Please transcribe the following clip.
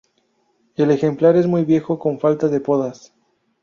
El ejemplar es muy viejo con falta de podas.